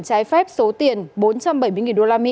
trái phép số tiền bốn trăm bảy mươi đô la mỹ